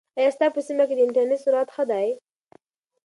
ایا ستا په سیمه کې د انټرنیټ سرعت ښه دی؟